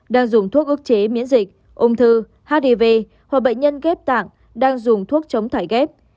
đang dùng thuốc ước chế miễn dịch ông thư hdv hoặc bệnh nhân ghép tạng đang dùng thuốc chống thải ghép